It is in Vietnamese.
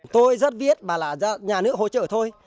tôi rất biết bà là nhà nước hỗ trợ thôi